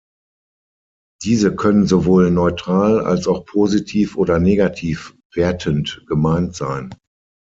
Diese können sowohl neutral als auch positiv oder negativ wertend gemeint sein.